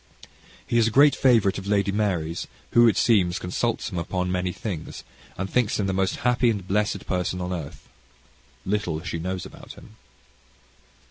He is a great favourite of Lady Mary's, who it seems, consults him upon many things, and thinks him the most happy and blessed person on earth. Little knows she about him.